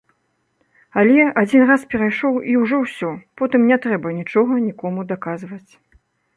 Але адзін раз перайшоў, і ўжо ўсё, потым не трэба нічога нікому даказваць.